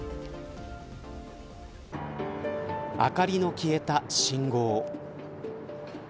明かりの消えた信号。